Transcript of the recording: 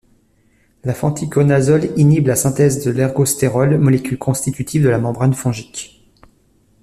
Le fenticonazole inhibe la synthèse de l'ergostérol, molécule constitutive de la membrane fongique.